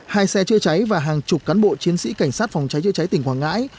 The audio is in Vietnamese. hai xe chữa cháy và hàng chục cán bộ chiến sĩ cảnh sát phòng cháy chữa cháy tỉnh quảng ngãi